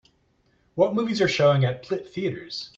What movies are showing at Plitt Theatres.